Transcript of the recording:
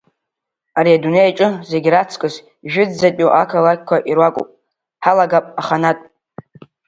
Ари адунеиаҿ зегь раҵкыс ижәытәӡатәиу ақалақьқәа ируакуп, ҳалагап аханатә.